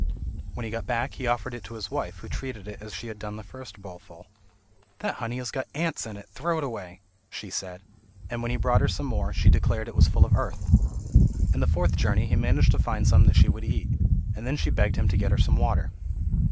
When he got back he offered it to his wife, who treated it as she had done the first bowlful. "That honey has got ants in it: throw it away," she said, and when he brought her some more, she declared it was full of earth. In his fourth journey he managed to find some that she would eat, and then she begged him to get her some water.